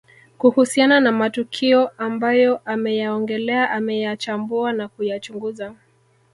Kuhusiana na matukio ambayo ameyaongelea ameyachambua na kuyachunguza